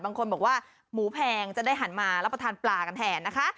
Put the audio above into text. บางคนบอกว่าหมูแพงจะได้หันมารับประทานปลากันแทนนะคะ